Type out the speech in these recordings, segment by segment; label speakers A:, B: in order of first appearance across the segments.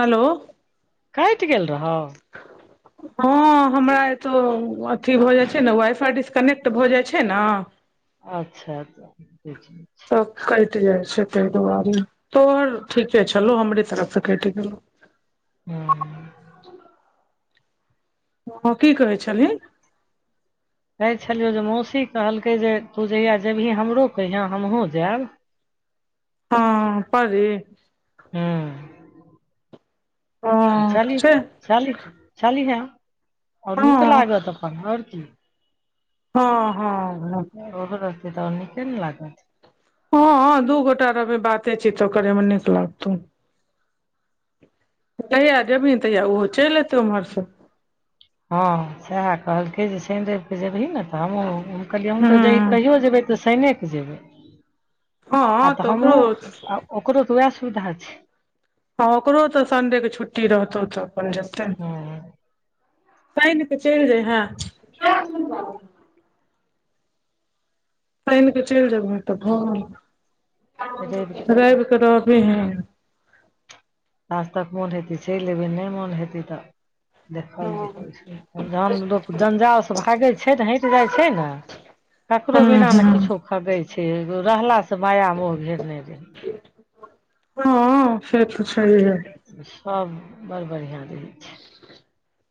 A: Hello
B: कटि गेल रहौ
A: [inaudible] हँ हमरा एतो अथी भऽ जाइ छै ने वाइ फाई डिस्कनेक्ट भऽ जाइ छै ने
B: अच्छा
A: तऽ कटि जाइ छै तहि दुआरे तोहर ठीके छलौ हमरे तरफ से कटि गेलो
B: हँ
A: हँ की कहै छली
B: कहै छलियौ जे मौसी कहलकै जे तू जहिया जेबही हमरो कहिहे हमहुं जायब
A: हँ परी
B: हुँ
A: हँ से
B: छलीहे आओर
A: हँ
B: नीक लागत अपन आओर की
A: हँ हँ हँ
B: ओहो रास्ते तऽ नीके ने लागत
A: हँ दू गोटा री बाते छी तो करे मे नीक लागतौ जहिआ जेबही तहिया ओहो चलि एयतै ओम्हरसँ
B: हँ सएह कहलकै जे शनि रविके जेबही ने तऽ हमहूँ कहलै हमहँ
A: हँ
B: तऽ ज कहियओ जेयबै तऽ शैने क जेबै आ
A: हँ
B: तऽ
A: ओकरो
B: हमहुं ओकरो तऽ उएह सुविधा छै
A: हँ ओकरो तऽ संडेके छुट्टी रहतौ तऽ अपन जते ने
B: हँ
A: शनि क चलि जैयहें आन कऽ चलि जेबह तऽ भ
B: रवि
A: रविके रहबी ह
B: आाज तक मोन हेतै चलि एबै नय मोन हेतै तऽ देखल जेतै जन लोक जंजाल से भागै छै ने हटि जाइ छै ने ककरो
A: हूँ
B: बिना ने
A: हूँ
B: किछो खगै छै रहलासँ माया मोह घेरने रहै
A: हँ से तऽ छै
B: सब बड़ बढ़ियाँ रहै छै
A: [inaudible]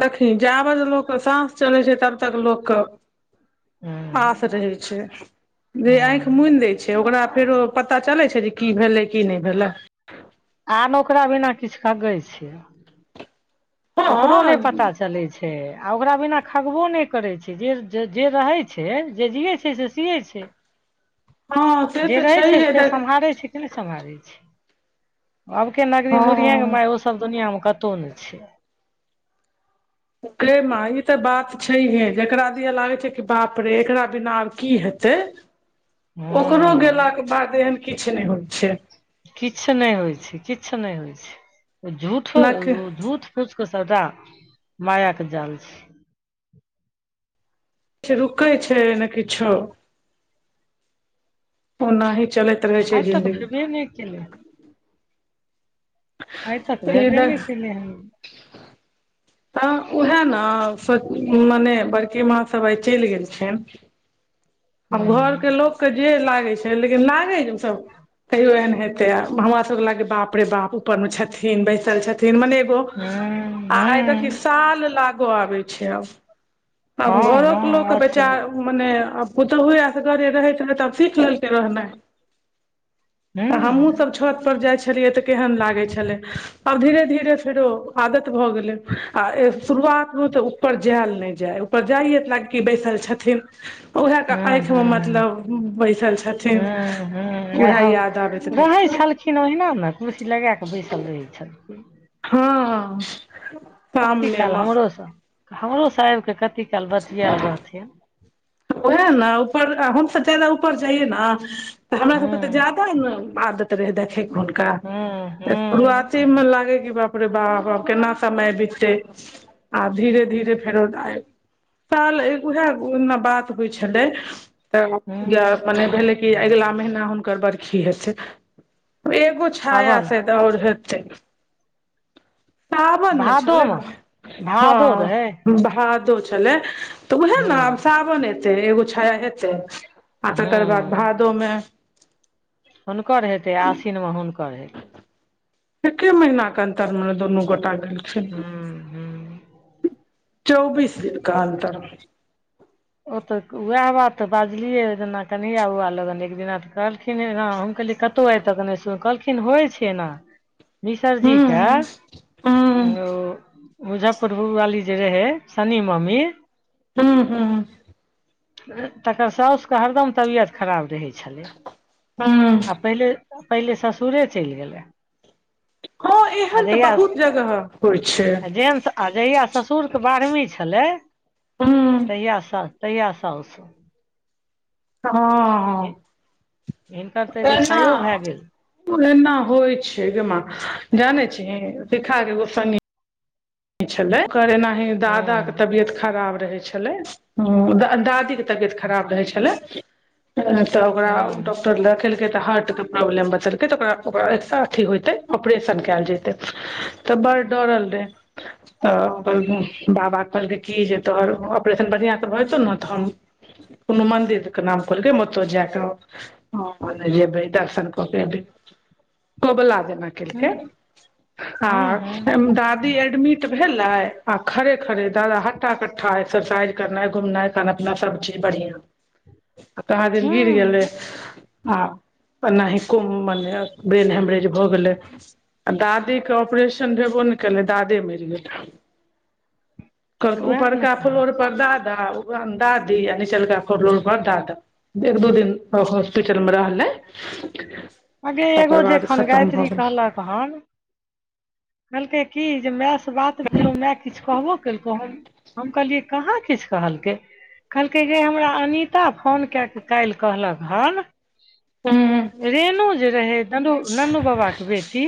A: देखी जाबज लोकके साँस चलै छै तब तक लोकके
B: हँ
A: आास रहै छै जे
B: हँ
A: आँखि मुनि दै छै ओकरा फेरो पता चलै छै जे की भेलै की नय भेलै
B: आर ओकरा बिना किछु कगै छै
A: हँ
B: ओकरो नय पता छै चलै छै आ ओकरा बिना खगबो नय करै छै जे जे रहै छै जे जियै छै से
A: हँ से
B: जे
A: तऽ
B: रहै छै
A: छैहे
B: फेर
A: देख
B: सम्हारै छै सम्हारै छै आबके नगरी मु
A: हँ
B: माय सब दुनियाँमे कतहु नहि छै
A: केे माँ ई तऽ बात छैहे जेकरा दिया लागै छै कि बाप रे एकरा बिना आ की हेतै ओकरो
B: हँ
A: गेलाके बाद एहन किछु नय होइ छै
B: किछु नय होइ छै किछु नय होइ छै झूठो
A: न किछ
B: झूठ खुश कऽ श्रदा माया के जाल छै
A: रुकै छै ने किछो ओना ही चलैत रहै छै
B: आइ तक भेबे
A: जिन्दगी
B: नर केलै आइ त भेबे
A: ई
B: नय कैलै हन
A: तऽ उएह ने मने बड़की माँ सभ आइ चलि गेलखिन
B: हूँ
A: आब घर के लोक के जे लागे छै लेकिन लागे जेसभ कहियो एहन हेते तऽ हमरा सबके लागै बाप रे बाप ऊपर मे छथिन बैसल छथिन मने एगो
B: हूँ
A: आ आइ देखी
B: हूँ
A: साल लागऽ आबै छै आब आब
B: हँ
A: घरो कऽ लोक
B: हँ
A: केँ
B: अछि
A: बेचा
B: हूँ
A: मने आब पुतोहुए असगरे रहेत रहैत आब सीख लेलकै रहनाइ तऽ
B: हूँ
A: हमहूँसभ छत पर जाइ छलियै तऽ केहेन लागै छलै आब धीरे धीरे फेरो आदत भऽ गेले आ ए शुरुआत मे तऽ ऊपर जैल नय जाय ऊपर जाइय लागै की बैसल छथिन उहै टा
B: हूँ
A: आँइख मऽ
B: हूँ
A: मतलब बैसल छथिन उहै याद आबैत रहै
B: खिन ओहिना नऽ कुर्सी लगै कऽ बैसल रहै छ
A: हँ
B: कती काल
A: सामनेमे
B: हमरो सँ हमरो सँ आइब कऽ कती काल बतियैल रहथिन
A: ओहै नऽ ऊपर आ हमसब जादा ऊपर जाइयै नऽ तऽ हमरा सब केँ तऽ
B: हूँ
A: जादा नऽ आदत रहै देखै कऽ हुनका
B: हूँ हूँ
A: शुरुआती मऽ लागै कि बाप रै बाप आब केना समय बिततै आब धीरे धीरे फेरो आए साल उहै ओय दिना बात बतबै छलै तऽ या
B: हूँ
A: माने भेलै अगिला महीना हुनकर बर्खी हेतै एगो छाया
B: सावन
A: साइद आओर होेतै साावन नय छलै
B: भादोमे
A: भा -
B: भादो रहै
A: हँ भादो छलै तऽ उहै नऽ
B: हूँ
A: आब साबन एतै एगो छाया हेतै आ तकर बाद भा
B: हूँ
A: दो मे
B: हुनकर हेतै आसिनमे हुनकर हेतै
A: एके महीना कऽ अंतर मऽ नऽ दुनू गोटा गेलखिन
B: हूँ हूँ
A: चौबीस दिनका‌ अंतर मऽ
B: ओ तऽ वैह बात तऽ बाजलियै जेना कनहैया बौआ लगन एक दिना तऽ कहल खिन नऽ हम कहलियै कतहु आय तक नय सुन कहलखिन होइ छै एना
A: हँ
B: मिसरजीके
A: हँ
B: ओ मुजफ्फरपुर वाली जे रहै शनी ममी
A: हुँ हुँ
B: तकर साउस कऽ हरदम तबियत खराब रहै छलै
A: हूँ
B: आ पहिले। पहिले ससुरे चैल गेलै
A: हँ
B: आ
A: एहन तऽ
B: जहिया
A: बहुत जगह होइ छै
B: आ जेन्स आ जहिया ससुर केँ बारहमी छलै
A: हूँ
B: तहिया साउस तहिया साउस।
A: हँ
B: हिनकर तऽ एगो
A: एना
B: छयो भए गेल
A: एना होइ छै गे माँ जानै छिही सिखा केँ एगो संगी छलै ओकर एनाहि
B: हँ
A: दादा कऽ तबियत खराब रहै छलै द - दादी केँ तबियत खराब रहै छलै तऽ ओकरा
B: हँ
A: डॉक्टर कऽ देखेलकै तऽ हार्ट कऽ प्रॉब्लम बचलकै तऽ ओकरा ओकरा एकसँ अथी होतै ऑपरेशन कैल जेतै तऽ बड़ डरल रहे तऽ ओकर बाबा कहलकै की जे तोहर ऑपरेशन बढ़िया सँ भऽ जेतौ नऽ तऽ हम कोनो मन्दिर द - कऽ नाम कहलकै हम ओतऽ जा कऽ हँ हम ओतऽ जेबै दर्शन कऽ कऽ एबै कोबला जेना
B: हँ
A: केलकै आ
B: हँ
A: एम
B: हँ
A: दादी एय एडमिट भेले आ खड़े खड़े दादा हट्ठटा कट्ठा एक्सरसाइज करनाय घुमनाय खाना पीना सब चीज बढ़िया कहाँ दिन गिर
B: हँ
A: गेलै आ एनाहि को मने ब्रेन हेमरेज भऽ गेलै। आ दादी के ऑपरेशन भेबो ने केले। दादे मरि गेलै
B: उएह ने
A: उपरका
B: कहलहुँ
A: फ्लोर पर दादा। दादी आ निचलका फ्लोर पर दाद एक दू दिन हॉस्पिटल मे रहले। [inaudible]
B: अगे एगो जेखन
A: खतम
B: गायत्री
A: भऽ गेलै
B: कहलक हन कहलकै की जे मै। बात भेलहु माय किछु कहबो केलकौ हम कहलियै कहाँ किछु कहलकै। कहलकै जे हमरा अनता फोन कए कऽ काल्हि कहलक हन।
A: हुँ
B: रेणु जे रहै ननु ननु बाबाके बेटी।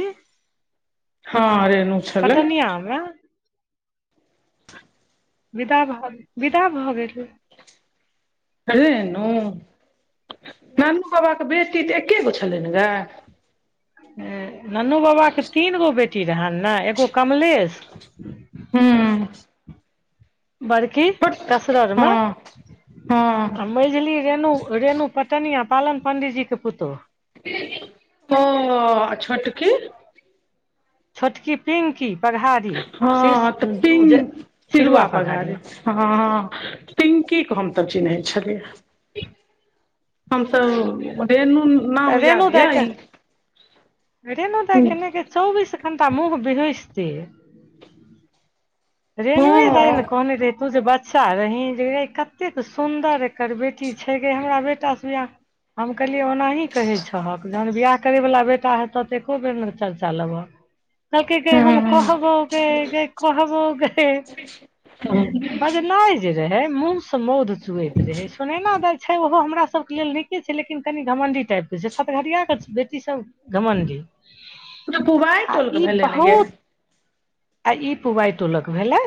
A: हँ रेनु छलै।
B: हमरा। बिदा भऽ गेल बिदा भऽ गेल।
A: कले नू। नानू बाबाके बेटी तऽ एक्के गो छलै ने गै।
B: ननु बाबाके तीन गो बेटी रहनि ने एगो कमलेश।
A: हूँ।
B: बड़की
A: छोट
B: कसररमे।
A: हँ
B: हम
A: हँ
B: मैझली रेणु रेणु पटनिया पालन पण्डीजीके पुतहु।
A: ओ आ छोटकी।
B: छोटकी पिंकी पघारी शीर्ष
A: हँ तऽ
B: जे छिरुआ पघारी
A: हँ हँ पिंकी के हम तऽ चिन्हैत छलियै हमसब रेणु
B: तऽ
A: नाम
B: रेणु
A: याद
B: तक
A: यऽ ई
B: रेनु तक ने के चौबीस हमत मुँह विहुस्ती। रेणुए दइ ने
A: हँ
B: कोने रहे तू जे बाच। बच्चा रही जे रे कतेक सुन्दर एकर बेटी छै गे हमरा बेटास बियाह। हम कहलियै ओनाही कहै छहक जहन बियाह करैवला बेटा हेतह तऽ एको बेर नय चर्चा लेबह।
A: [inaudible]
B: त क कह हम
A: हँ
B: कहबौ क कहबौ बजनाय जे रहै मुँहस मौध चुऐत रहै सुनैना दाय छै ओहो हमरा सबके लेल नीके छै लेकिन कनि घमण्डी टाइपके छै सतघरियाके बेटी सब गमनडी
A: पुबाइ
B: आ
A: टोलके
B: ई
A: भेलै ने गे
B: बहुत आ ई पुवाइ टोलक भेले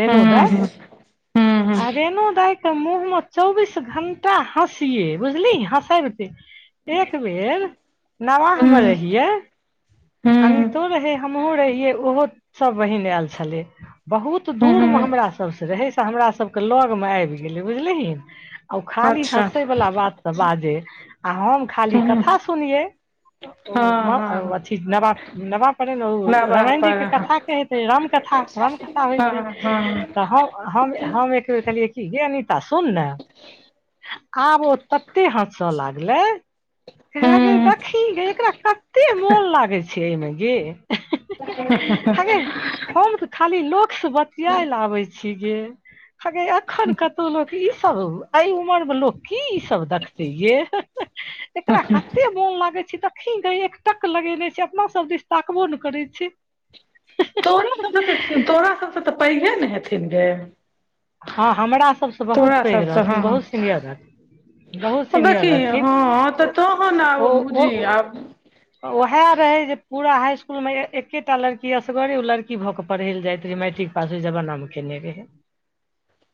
B: रेणु दइ
A: हूँ हूँ हूँ
B: आ रेणु दइ त मुँह मे चौबीस घंटा हँसिये बुझली हँसेबते एक बेर नवाह मे
A: हूँ
B: रहियै
A: हूँ
B: अनतो रहे हमहुं रहियै ओहो सब बहिन आयल छले बहुत
A: हूँ
B: दूरमे
A: हूँ
B: हमरा सभसँ रहै से हमरा सभके लगमे आबि गेलै बुझलिहीन आ ओ खाली
A: अच्छा
B: हँसैवला बातसँ बाजै आ हम खाली
A: हूँ
B: कथा सुनियै
A: हँ हँ
B: अथी नव नवाह पढ़ ओ
A: नवाह
B: रामायण
A: पर
B: जीके कथा कहैत रहै रामकथा पता होइत रहे
A: हँ हँ
B: तऽ हम हम एक बेर कहलियै कि हे अनीता सुन ने आब ओ तते हँसय लागलै कहै गे
A: हूँ
B: देखही गे एकरा कते मोन लागै छै एहिमे गे हगे हम तऽ खाली लोकसँ बतियाए लै आबै छी गे हे एखन कतहु लोक ई सब एहि उमर मे लोक की ई सब देखतै ये
A: [unintelligible]
B: मोन लागे छै तखन ग एकटक लगेने छै अपना सब दिश ताकबो ने करै छै
A: तोरो सब
B: [unintelligible]
A: तोरा सब सँ तऽ पैघे ने हेथिन गे
B: हँ हमरा सभसँ बहुत
A: तोरा
B: पैघ
A: सबसँ
B: रहथिन
A: हँ
B: बहुत सीनियर रहथिन बहुत
A: हँ
B: सीनियर
A: देखी
B: रहथिन
A: हँ तऽ तोहन आब
B: ओ ओ
A: बुझही आब
B: उएह रहै जे पूरा हाइ इस्कुलमे एकेटा लड़की असगरे ओ लड़की भऽ कऽ पढ़य लए जाइत रहै मैट्रिक पास होइ जमाना मऽ केने रहय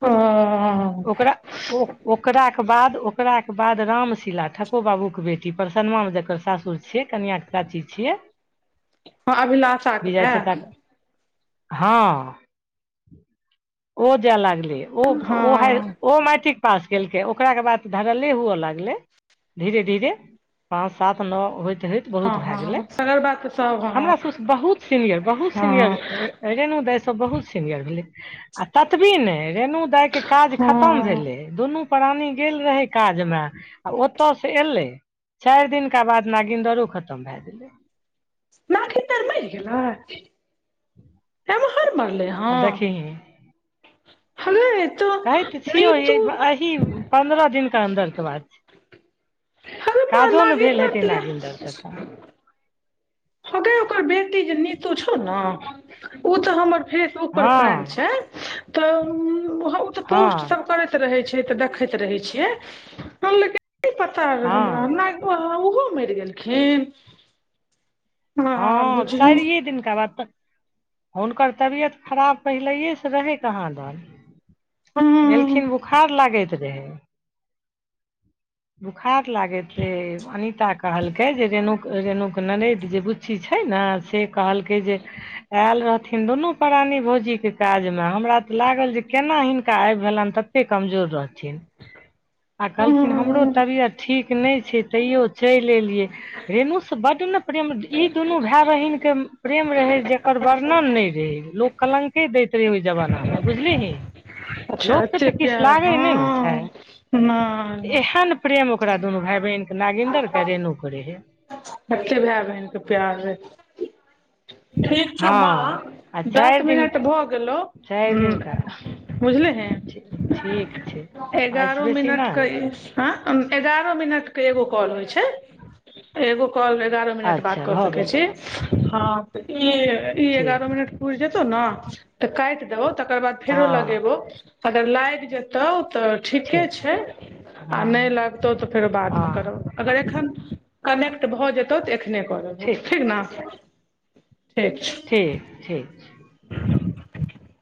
A: हँ
B: ओकरा ओ ओकराके बाद ओकराके बाद रामशला ठको बाबूके बेटी परसनमामे जकर सासुर छैिय कनिआँ कऽ चाची छियै
A: [inaudible] अभिलाषाके
B: विजय
A: माय
B: चाचा कऽ हँ ओ जाय लागलै ओ ओ
A: हँ
B: ओ मेट्रीक पास केलकै ओकरा के बाद धरले हुअ लगलै धीरे धीरे पाँच सात न‌अ होइत होइत बहुत
A: हँ
B: भए गेलै
A: हँ सगर बात तऽ सब हँ
B: हमरा सबसँ बहुत सीनियर बहुत सीनियर
A: हँ
B: रेणु दाइ सब बहुत सीनियर भेलै आ ततबे न‌इ रेणु दइके काज खतम भेलै
A: हँ
B: दुनू प्राणी गेल रहै काजमे आ ओत सऽ एलै चायर दिनका बाद नागिन्दरो खतम भए गेलै
A: नागिन्दर मैयर गेलै एमे हर मारले ह
B: आ देखेी
A: [unintelligible]
B: कहै तऽ छियौ ई
A: नीतू
B: एही पन्द्रह दिनके अन्दरके बात छिए
A: अरे माँ
B: काजो ने
A: नागिन
B: भेल
A: दाइ
B: हेतै
A: तऽ
B: नागिन्दर कऽ अखन
A: हेगे ओकर बेटी जे नीतो छौ ने ओ तऽ हमर फे फेस्बूक पर
B: हँ
A: फ्रैंड छै तऽ उ तऽ
B: हँ
A: पोस्ट सब कर रहै छै तऽ देखैत रहै छियै हम लेकिन की पता
B: हँ
A: हमरा हमरा बा ओहो मैयर गेलखिन
B: हँ चायैरे दिननका बाद तऽ हुनकर तबियत खराब पहिलैएसँ रहै कहाँ दन
A: हँ
B: एलखिन बोखार लागैत रहै बोखार लागैत रहे अनिता कहलकै जे रेणुक रेणुक नरैद जे बु अथि छै ने से कहलकै जे आयल रहथिन दुनू प्राणी भोजीके काजमे हमरा तऽ लागल जे केना हिनका आबि भेलनि तत कमजोर रहथिन आ कहलखिन हमरो
A: हँ
B: तबियत ठीक नहि तैयो चलि एलियै रेणु से बड ने प्रेम ई दुनू भाय बहिनके प्रेम रहै जेकर वर्णन नहि रहै लोक कलङके दैत रहै ओहि जमानामे बुझलिीही
A: अच्छा
B: लोकके
A: एते
B: तऽ किछु
A: प्यार
B: लागै नहि ने छै
A: हँ नहि नहि
B: एहन प्रेम ओकरा दुनू भाय बहिनके नागिन्दर के रेणु के रहय
A: कते भाय बहिनके प्यार रहै ठीक छौ माँ
B: हँ आ
A: दस
B: चारि दिन
A: मिनट भऽ गेलो
B: चारि दिनका
A: हुँ बुझलिहि
B: ठीक छै एहिसँ
A: एगारो
B: बेसी
A: मिनट
B: नहि
A: कऽ ई आ अ एगारह मिनट कऽ एगो कॉल होइ छै एगो कॉल एगारह मिनट बात
B: अच्छा
A: कऽ
B: भऽ
A: सकै
B: गेलै
A: छी हँ तऽ ई ई एगारह
B: ठीक
A: मिनट पुरि जेतौ नऽ तऽ काइट देबौ तकर बाद फेरो
B: हँ
A: लगेबौ अगर लाइग जेतौ तऽ ठीके
B: ठीक
A: छै आ
B: हँ
A: नय लगतौ तऽ फेरो बादमे
B: हँ
A: करबौ अगर एखन कनेक्ट भऽ जेत तऽ एखने करबौ ठीक नऽ ठीक छै
B: ठीक ठीक छै
A: [inaudible]